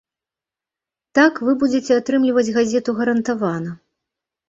Так вы будзеце атрымліваць газету гарантавана.